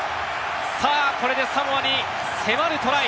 これでサモアに迫るトライ！